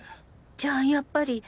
じゃあやっぱり。